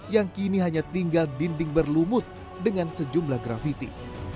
yang kini hanya tinggal dinding berlumut dengan sejumlah grafiti